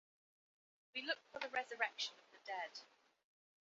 We look for the resurrection of the dead